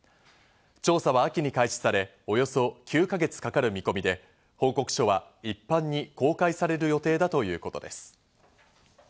調査は秋に開始され、およそ９か月かかる見込みで、報告書は一般に公開される予定だということです。